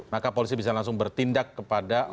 maka polisi bisa langsung bertindak kepada